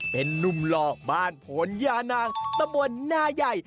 เป็นนุ่มหล่อบ้านฝนยานางประมวลน่าใหญ่